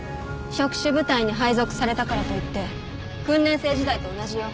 職種部隊に配属されたからといって訓練生時代と同じよ。